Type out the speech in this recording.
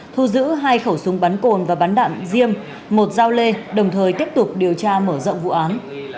thu giữ hai khẩu súng bắn cồn và bắn đạn riêng một dao lê đồng thời tiếp tục điều tra mở rộng vụ án